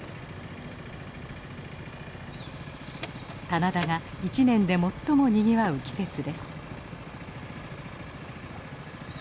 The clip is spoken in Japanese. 棚田が一年で最もにぎわう季節です。